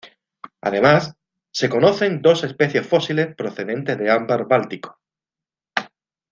Además, se conocen dos especies fósiles procedentes de ámbar báltico.